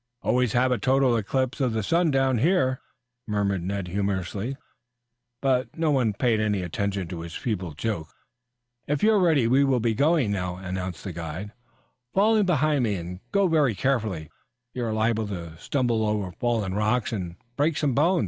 "Always have a total eclipse of the sun down here," muttered Ned humorously, but no one paid any attention to his feeble joke. "If you are ready we will be going now," announced their guide. "Fall in behind me and go very carefully. You are liable to stumble over fallen rocks and break some bones.